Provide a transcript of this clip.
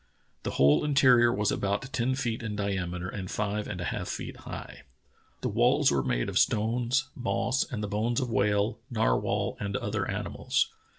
The whole interior was about ten feet in diameter and five and a half feet high. The walls were made of stones, moss, and of the bones of whale, nar whal, and other animals.